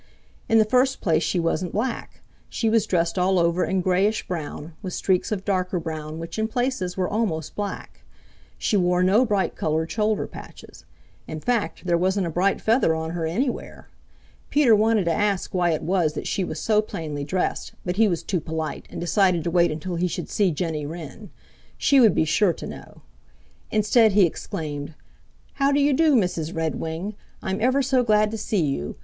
In the first place she wasn't black. She was dressed all over in grayish brown with streaks of darker brown which in places were almost black. She wore no bright colored shoulder patches. In fact, there wasn't a bright feather on her anywhere. Peter wanted to ask why it was that she was so plainly dressed, but he was too polite and decided to wait until he should see Jenny Wren. She would be sure to know. Instead, he exclaimed, "How do you do, Mrs. Redwing? I'm ever so glad to see you.